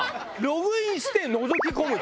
ログインしてのぞき込む。